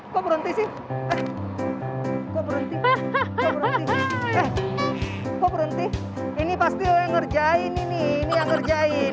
kok berhenti kok berhenti kok berhenti ini pasti lo yang ngerjain ini nih yang ngerjain